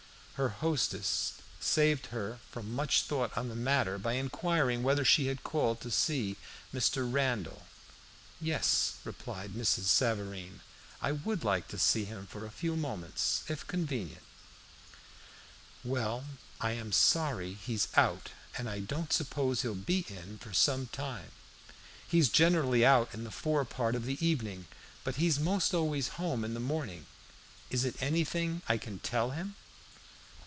Her hostess saved her from much thought on the matter by enquiring whether she had called to see Mr. Randall. "Yes," replied Mrs. Savareen, "I would like to see him for a few moments, if convenient." "Well, I am sorry he's out, and I don't suppose he'll be in for some time. He's generally out in the fore part of the evening; but he's most always home in the morning. Is it anything I can tell him?"